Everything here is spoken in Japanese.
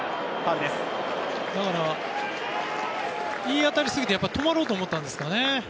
いい当たりすぎて止まろうと思ったんですかね。